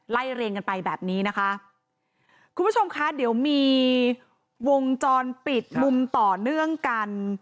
เรียงกันไปแบบนี้นะคะคุณผู้ชมคะเดี๋ยวมีวงจรปิดมุมต่อเนื่องกัน